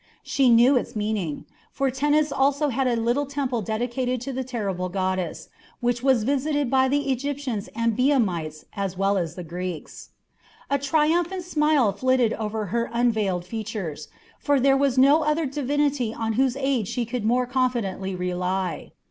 She knew its meaning, for Tennis also had a little temple dedicated to the terrible goddess, which was visited by the Egyptians and Biamites as well as the Greeks. A triumphant smile flitted over her unveiled features, for there was no other divinity on whose aid she could more confidently rely.